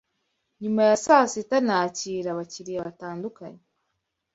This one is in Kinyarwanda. nyuma ya saa sita nakira abakiriya batandukanye